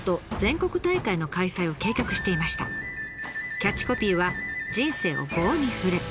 キャッチコピーは「人生を棒に振れ」。